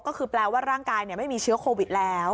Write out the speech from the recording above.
ก็คือแปลว่าร่างกายไม่มีเชื้อโควิดแล้ว